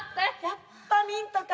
やっぱミントか。